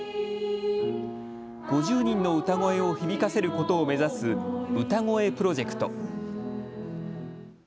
５０人の歌声を響かせることを目指す歌声プロジェクト。